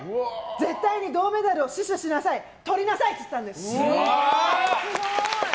絶対に銅メダルを死守しなさいとりなさいって言ったんです。